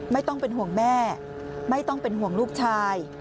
ไม่ต้องเป็นห่วงแม่ไม่ต้องเป็นห่วงลูกชาย